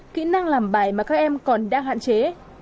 kỹ năng làm bài mà các em còn đang hạn chế